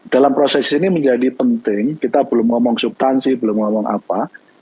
dalam proses ini menjadi penting kita belum ngomong subtansi belum ngomong apa